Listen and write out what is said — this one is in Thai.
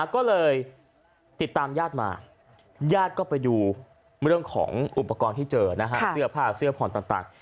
ก็เลยติดตามญาติมาญาติก็ไปดูเรื่องของอุปกรณ์ที่เจอนะฮะเสื้อผ้าเสื้อผ่อนต่าง